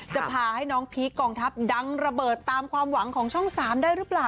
จะพาให้น้องพีคกองทัพดังระเบิดตามความหวังของช่อง๓ได้หรือเปล่า